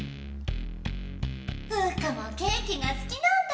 フウカもケーキがすきなんだ。